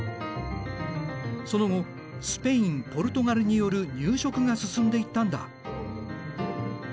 その後スペインポルトガルによる入植が進んでいったんだ。